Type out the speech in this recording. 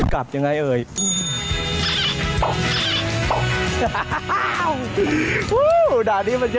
ด้านนี้มันจะ